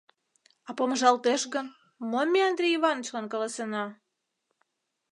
— А помыжалтеш гын, мом ме Андрей Иванычлан каласена?